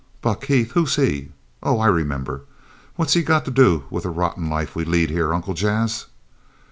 "Buck Heath! Who's he? Oh, I remember. What's he got to do with the rotten life we lead here, Uncle Jas?"